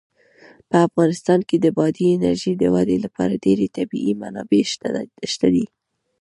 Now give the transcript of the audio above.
په افغانستان کې د بادي انرژي د ودې لپاره ډېرې طبیعي منابع شته دي.